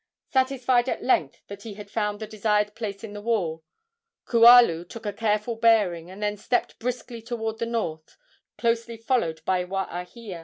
Satisfied at length that he had found the desired place in the wall, Kualu took a careful bearing, and then stepped briskly toward the north, closely followed by Waahia.